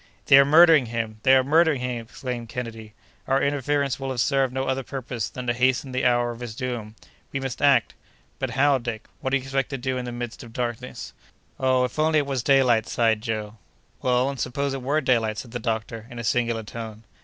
"They are murdering him! they are murdering him!" exclaimed Kennedy. "Our interference will have served no other purpose than to hasten the hour of his doom. We must act!" "But how, Dick? What do you expect to do in the midst of this darkness?" "Oh, if it was only daylight!" sighed Joe. "Well, and suppose it were daylight?" said the doctor, in a singular tone.